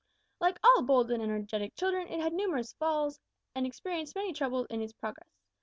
Like all bold and energetic children, it had numerous falls, and experienced many troubles in its progress.